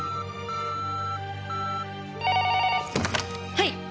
はい！